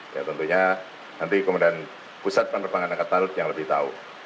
ya tentunya nanti kemudian pusat penerbangan angkatan laut yang lebih tahu